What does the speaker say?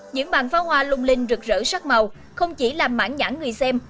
những màn pháo hoa lung linh rực rỡ sắc màu không chỉ làm mãn nhãn người xem